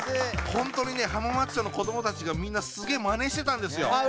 本当にね浜松町の子どもたちがみんなすげえまねしてたんですよ。